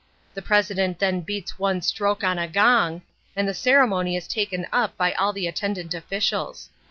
The president then beats one stroke on a gong, and the ceremony is taken up by all the attendant officials."